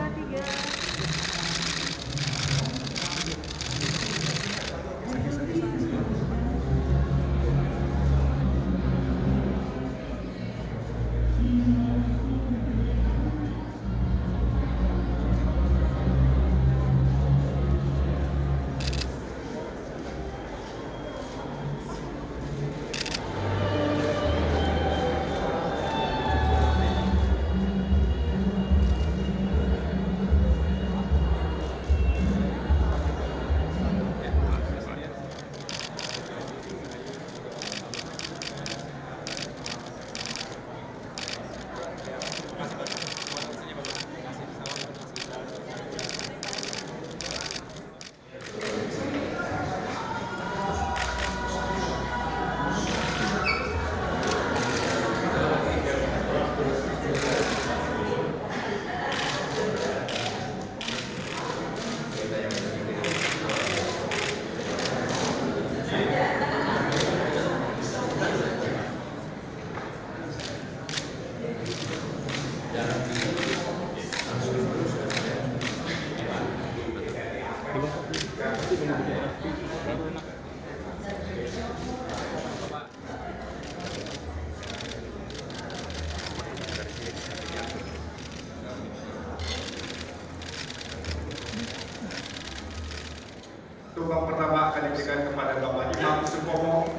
tumpang pertama akan diberikan kepada bapak ilam subomo